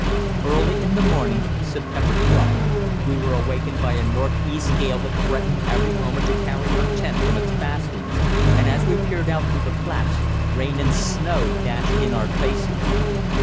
Early in the morning (September 12th) we were awakened by a northeast gale that threatened every moment to carry our tent from its fastenings, and as we peered out through the flaps, rain and snow dashed in our faces.